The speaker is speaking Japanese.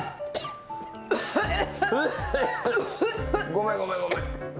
ごめんごめんごめん。